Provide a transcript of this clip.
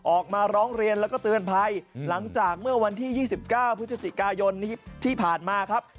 ออกมาร้องเรียนแล้วก็เตือนภัยหลังจากเมื่อวันที่๒๙พฤศจิกายนที่ผ่านมาครับ